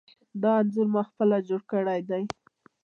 دا انځور ما پخپله جوړ کړی دی.